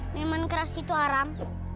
minuman keras itu haram